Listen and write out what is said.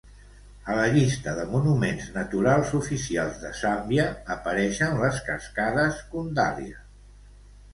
A la llista de Monuments Naturals oficials de Zàmbia apareixen les cascades Kundalia.